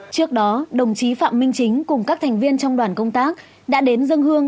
trước đó đồng chí phạm minh chính cùng các thành viên trong đoàn công tác đã đến dân hương